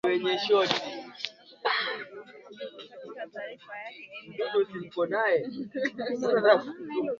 ka kipindi hiki ambacho ma elfu ya wananchi wanaishi kwenye mahema